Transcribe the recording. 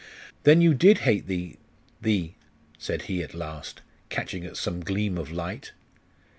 'Then you did hate the the ' said he, at last, catching at some gleam of light.